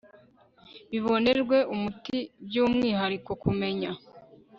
bibonerwe umuti by umwihariko kumenya